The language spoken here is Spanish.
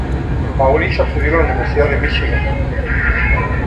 Maurice acudió a la Universidad de Michigan.